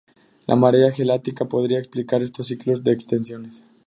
La marea galáctica podría explicar estos ciclos de extinciones.